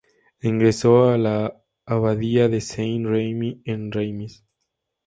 Ingresó a la abadía de Saint Remi, en Reims.